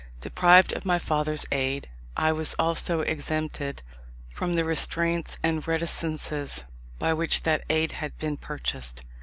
Deprived of my father's aid, I was also exempted from the restraints and reticences by which that aid had been purchased.